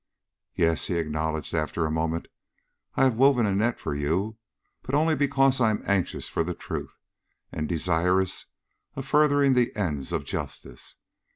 "Yes," he acknowledged, after a moment, "I have woven a net for you, but only because I am anxious for the truth, and desirous of furthering the ends of justice.